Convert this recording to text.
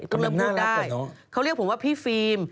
ต้องเริ่มพูดได้เขาเรียกผมว่าพี่ฟิม